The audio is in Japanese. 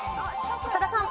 長田さん。